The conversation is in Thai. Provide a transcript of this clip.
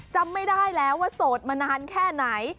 จำไม่ได้แล้วว่าโสดมานานแค่ไหน